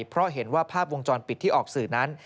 เพราะเห็นว่าภาพวงจรปิดที่ออกสื่อนั้น